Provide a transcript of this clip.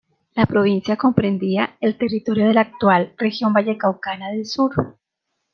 La provincia comprendía el territorio de la actual región vallecaucana del Sur.